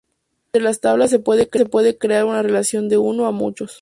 Entre las tablas se puede crear una relación de uno a muchos.